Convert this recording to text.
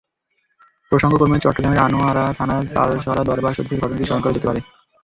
প্রসঙ্গক্রমে চট্টগ্রামের আনোয়ারা থানার তালসরা দরবার শরিফের ঘটনাটি স্মরণ করা যেতে পারে।